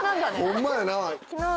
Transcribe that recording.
ホンマやな。